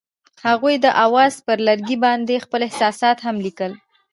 هغوی د اواز پر لرګي باندې خپل احساسات هم لیکل.